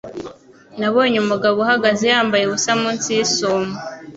Nabonye umugabo uhagaze yambaye ubusa munsi yisumo.